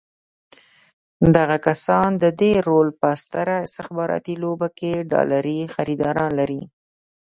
دغه کسان د دې رول په ستره استخباراتي لوبه کې ډالري خریداران لري.